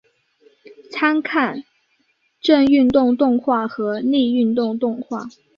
参看正运动动画和逆运动动画。